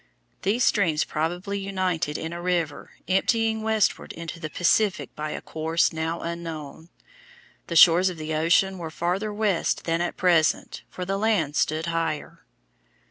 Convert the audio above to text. These streams probably united in a river emptying westward into the Pacific by a course now unknown. The shores of the ocean were farther west than at present, for the land stood higher.